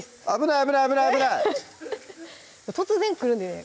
突然来るんでね